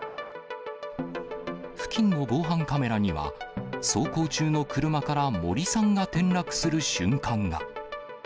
付近の防犯カメラには、走行中の車から森さんが転落する瞬間が。